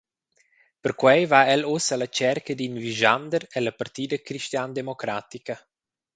Perquei va el uss alla tscherca d’in vischander ella Partida cristiandemocratica.